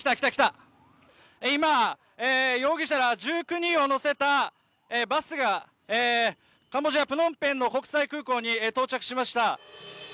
今、容疑者ら１９人を乗せたバスがカンボジア・プノンペンの国際空港に到着しました。